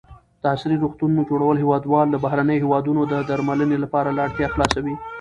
د عصري روغتونو جوړول هېوادوال له بهرنیو هېوادونو د درملنې لپاره له اړتیا خلاصوي.